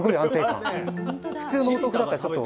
普通のお豆腐だったらちょっと。